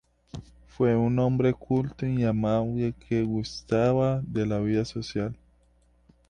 Fue un hombre culto y amable que gustaba de la vida social.